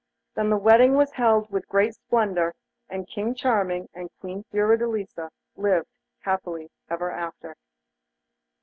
Then the wedding was held with great splendour, and King Charming and Queen Fiordelisa lived happily ever after.